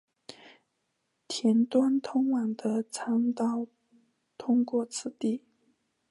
田端通往的参道通过此地。